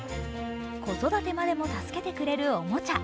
子育てまでも助けてくれるおもちゃ。